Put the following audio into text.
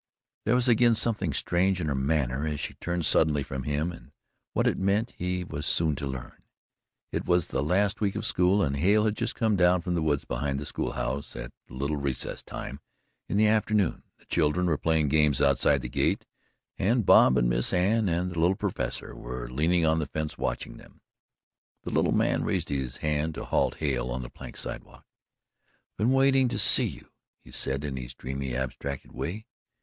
There was again something strange in her manner as she turned suddenly from him, and what it meant he was soon to learn. It was the last week of school and Hale had just come down from the woods behind the school house at "little recess time" in the afternoon. The children were playing games outside the gate, and Bob and Miss Anne and the little Professor were leaning on the fence watching them. The little man raised his hand to halt Hale on the plank sidewalk. "I've been wanting to see you," he said in his dreamy, abstracted way.